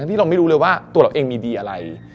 ที่เราไม่รู้เลยว่าตัวเราเองมีดีอะไร